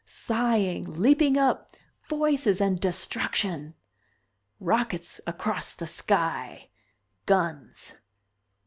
Sighing, leaping up, voices and destruction! Rockets across the sky! Guns.